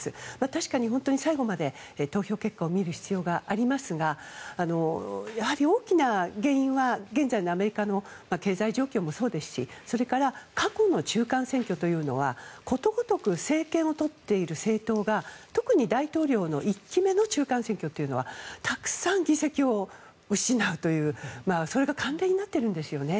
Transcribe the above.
確かに最後まで投票結果を見る必要がありますが大きな原因は現在のアメリカの経済状況もそうですしそれから過去の中間選挙というのはことごとく政権を取っている政党が特に大統領の１期目の中間選挙というのはたくさん議席を失うというそれが慣例になっているんですよね。